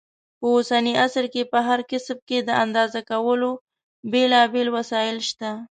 په اوسني عصر کې په هر کسب کې د اندازه کولو بېلابېل وسایل شته.